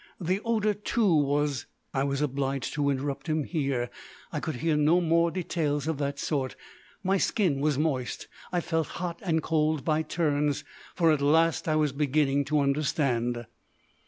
The odour, too, was..." I was obliged to interrupt him here. I could hear no more details of that sort. My skin was moist, I felt hot and cold by turns, for at last I was beginning to understand.